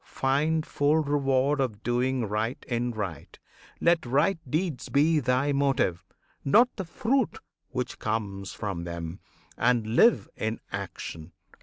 Find full reward Of doing right in right! Let right deeds be Thy motive, not the fruit which comes from them. And live in action!